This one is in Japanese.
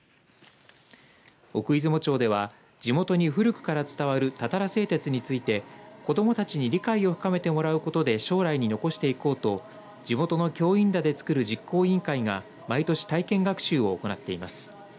奥出雲町では地元に古くから伝わるたたら製鉄について子どもたちに理解を深めてもらうことで将来に残していこうと地元の教員らでつくる実行委員会が毎年、体験学習を行っています。